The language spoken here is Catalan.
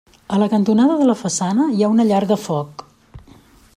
A la cantonada de la façana hi ha una llar de foc.